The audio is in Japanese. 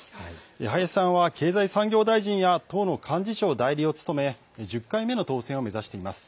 林さんは経済産業大臣や党の幹事長代理を務め１０回目の当選を目指しています。